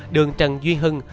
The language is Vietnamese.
đường trần duy hưng